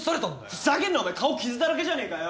ふざけんなお前顔傷だらけじゃねえかよ。